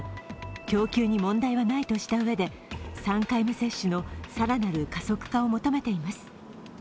供給に問題はないとしたうえで３回目接種の更なる加速化を求めています。